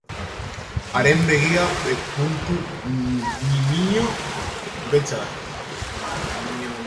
Haren begia puntu ñimiño beltza da.